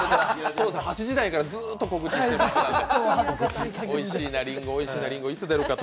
８時台からずっと告知してたから。